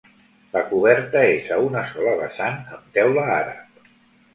La coberta és a una sola vessant amb teula àrab.